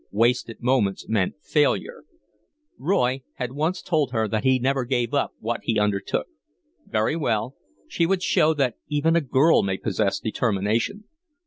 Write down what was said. Wasted moments meant failure. Roy had once told her that he never gave up what he undertook. Very well, she would show that even a girl may possess determination.